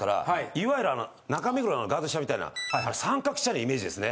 いわゆるあの中目黒のガード下みたいな三角地帯のイメージですね。